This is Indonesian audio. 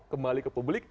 kembali ke publik